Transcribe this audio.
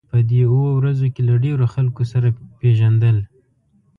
په دې اوو ورځو کې له ډېرو خلکو سره پېژندل.